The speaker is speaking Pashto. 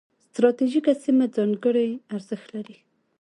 ستراتیژیکه سیمه ځانګړي ارزښت لري.